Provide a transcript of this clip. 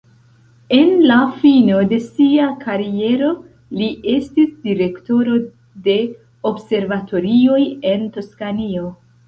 En la fino de sia kariero li estis direktoro de observatorioj en Toskanio.